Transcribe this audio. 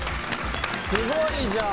すごいじゃん。